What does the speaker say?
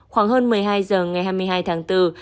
khoảng hơn một mươi hai h ngày hai mươi hai tháng bốn